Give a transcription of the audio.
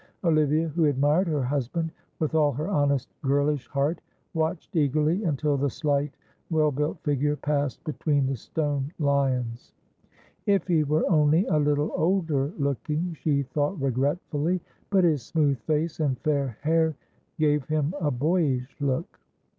Olivia, who admired her husband with all her honest girlish heart, watched eagerly until the slight, well built figure passed between the stone lions. "If he were only a little older looking," she thought, regretfully, but his smooth face and fair hair gave him a boyish look.